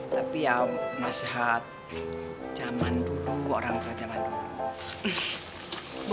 tapi ya nasihat jaman dulu orang tua jaman dulu